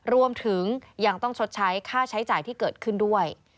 รวมถึงยังต้องชดใช้ค่าใช้จ่ายที่เกิดขึ้นด้วย